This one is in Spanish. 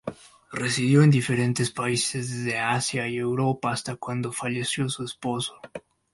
Residió en diferentes países de Asia y Europa hasta cuando falleció su esposo.